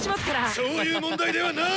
そういう問題ではない！